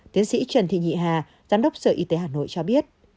tiến sĩ trần thị nhị hà giám đốc sở y tế hà nội cho biết